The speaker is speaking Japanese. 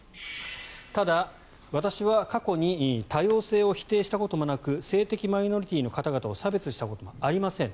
ただ、私は過去に多様性を否定したこともなく性的マイノリティーの方々を差別したこともありません。